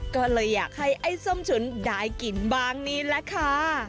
ก็เลยอยากให้ไอ้ส้มฉุนได้กินบ้างนี่แหละค่ะ